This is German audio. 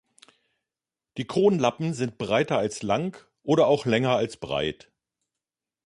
Die Kronlappen sind breiter als lang, oder auch länger als breit.